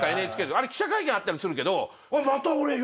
あれ記者会見あったりするけど。